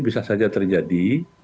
bisa saja terjadi